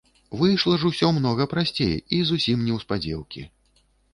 Выйшла ж усё многа прасцей і зусім неўспадзеўкі.